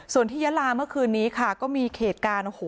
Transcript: ส่วนที่ย้าราเมื่อคืนนี้ก็มีเขตการณ์